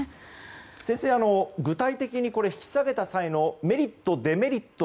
先生、具体的に引き下げた際のメリット、デメリット